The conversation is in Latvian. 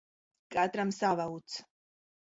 Katram sava uts.